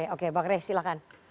oke pak kere silakan